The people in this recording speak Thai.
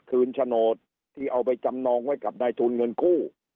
โฉนดที่เอาไปจำนองไว้กับนายทุนเงินกู้